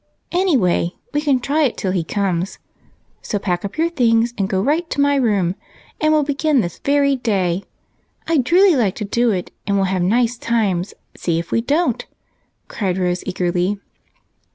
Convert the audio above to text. Any way, we can try it till he comes, so pack up your things and go right to my room and we '11 begin this very day ; I 'd truly like to do it, and we '11 have nice times, see if we don't !" cried Rose engerly.